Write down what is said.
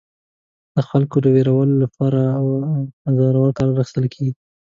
د خلکو د ویرولو لپاره اوزارو کار اخیستل.